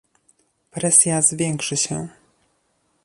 Presja zwiększy się